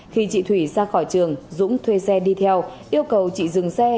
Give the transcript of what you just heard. khi chị thủy ra khỏi trường dũng thuê xe đi theo yêu cầu chị dừng xe